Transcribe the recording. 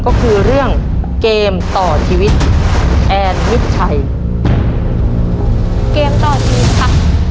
ก็คือเรื่องเกมต่อชีวิตแอนมิดชัยเกมต่อชีวิตค่ะ